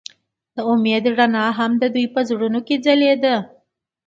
د امید رڼا هم د دوی په زړونو کې ځلېده.